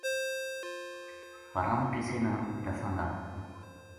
پر ہم کِسے نا دساں گا۔